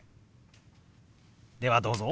ではどうぞ。